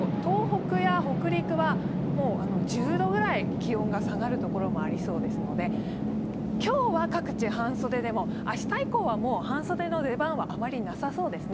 ２２度、東北や北陸はもう１０度ぐらい気温が下がる所もありそうですので、今日は各地、半袖でも明日以降はもう半袖の出番はあまりなさそうですね。